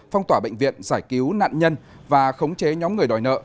phong tỏa bệnh viện giải cứu nạn nhân và khống chế nhóm người đòi nợ